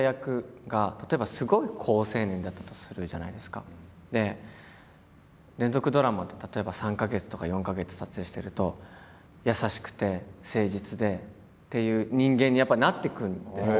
何か僕は連続ドラマって例えば３か月とか４か月撮影してると優しくて誠実でっていう人間にやっぱりなっていくんです。